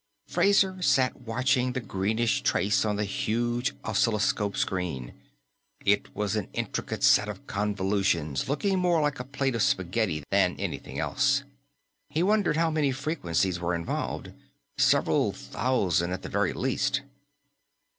Fraser sat watching the greenish trace on the huge oscilloscope screen. It was an intricate set of convolutions, looking more like a plate of spaghetti than anything else. He wondered how many frequencies were involved. Several thousand, at the very least.